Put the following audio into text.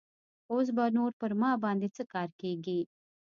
اوس به نور پر ما باندې څه کار کيږي.